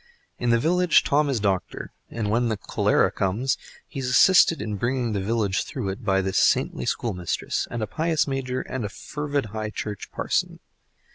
In the village Tom is doctor, and, when the cholera comes, he is assisted in bringing the village through it by this saintly schoolmistress, and a pious Major, and a fervid High Church parson.